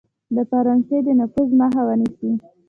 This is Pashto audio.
د فرانسې د نفوذ مخه ونیسي.